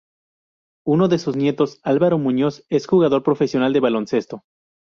Uno de sus nietos, Álvaro Muñoz, es jugador profesional de baloncesto.